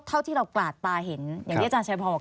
เท่าที่เรากลาดตาเห็นอย่างที่อาจารย์ชัยพรบอก